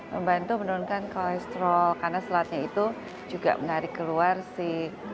membantu menurunkan kolesterol karena selatnya itu juga membantu menarik keluar kolesterol tersebut